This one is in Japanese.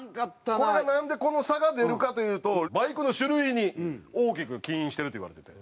これがなんでこの差が出るかというとバイクの種類に大きく起因してるといわれてて。